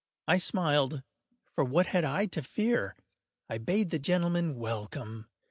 I smiled,—for what had I to fear? I bade the gentlemen welcome.